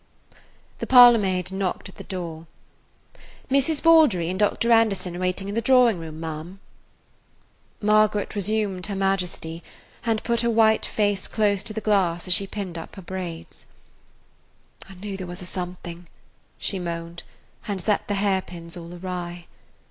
The parlor maid knocked at the door. "Mrs. Baldry and Dr. Anderson are waiting in the drawing room, ma'am." Margaret reassumed her majesty, and put her white face close to the glass as she pinned up her braids. "I knew there was a something," she moaned, and set the hair pins all awry.